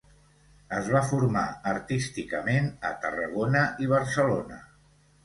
Es va formar artísticament a Tarragona i Barcelona.